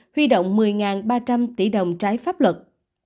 huy động một mươi ba trăm linh tỷ đồng trái pháp luật